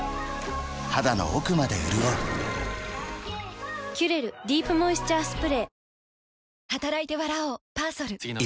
肌の奥まで潤う「キュレルディープモイスチャースプレー」